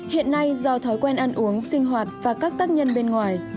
hiện nay do thói quen ăn uống sinh hoạt và các tác nhân bên ngoài